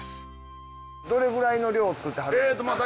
どれぐらいの量つくってはるんですか？